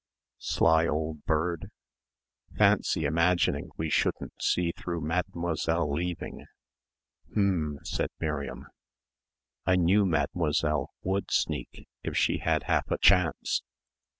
"Sly old bird." "Fancy imagining we shouldn't see through Mademoiselle leaving." "H'm," said Miriam. "I knew Mademoiselle would sneak if she had half a chance."